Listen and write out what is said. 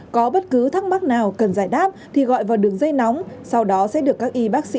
có bất cứ thắc mắc nào cần giải đáp thì gọi vào đường dây nóng sau đó sẽ được các y bác sĩ